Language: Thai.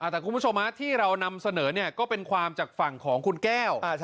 แต่คุณผู้ชมที่เรานำเสนอก็เป็นความจากฝั่งของคุณแก้ว